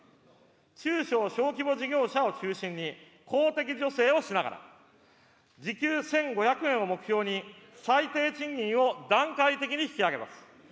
中小・小規模事業者を中心に、公的助成をしながら、時給１５００円を目標に、最低賃金を段階的に引き上げます。